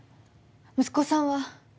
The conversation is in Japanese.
息子さんは？